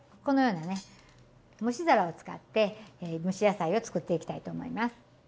このようなね蒸し皿を使って蒸し野菜を作っていきたいと思います。